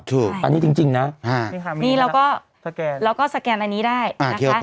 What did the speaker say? ถูกอันนี้จริงจริงน่ะอ่านี่ค่ะนี่เราก็สแกนเราก็สแกนอันนี้ได้อ่า